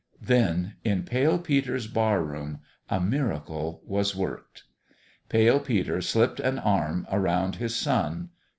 Then in Pale Peter's barroom a miracle was worked. Pale Peter slipped an arm around his son.